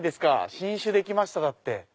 「新酒出来ました」だって。